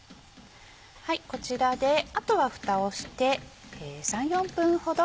こちらであとはふたをして。